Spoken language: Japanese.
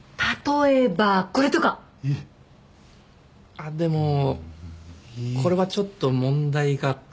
あっでもこれはちょっと問題があって。